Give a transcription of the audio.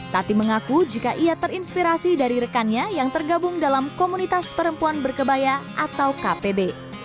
tati mengaku jika ia terinspirasi dari rekannya yang tergabung dalam komunitas perempuan berkebaya atau kpb